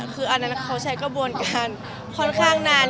คืออันนั้นเขาใช้กระบวนการค่อนข้างนาน